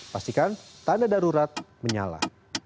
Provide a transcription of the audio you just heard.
pastikan tanda darurat menyala